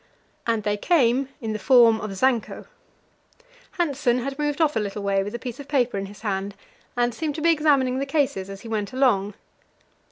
And they came in the form of Zanko. Hanssen had moved off a little way with a piece of paper in his hand, and seemed to be examining the cases as he went along.